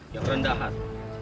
yang rendah hati